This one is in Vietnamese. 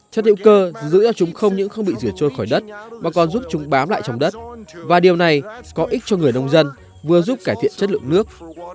chất liệu cơ giữ cho chúng không những không bị rửa trôi khỏi đất mà còn giúp chúng bám lại trong đất và điều này có ích cho người nông dân vừa giúp cải thiện chất lượng nước